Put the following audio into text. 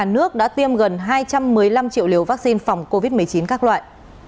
nước đã tiêm gần hai trăm một mươi năm triệu liều vaccine phòng covid một mươi chín các loại